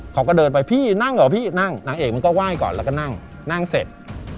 เขาก็เดินไปพี่นั่งเหรอพี่นั่งนางเอกมันก็ไหว้ก่อนแล้วก็นั่งนั่งเสร็จ